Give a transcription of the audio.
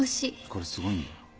これすごいんだよ。